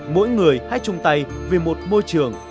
mỗi người hãy chung tay vì một môi trường